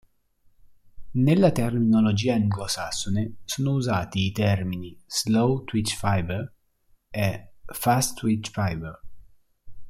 Nella terminologia anglosassone sono usati i termini "slow twitch fiber" e "fast twitch fiber".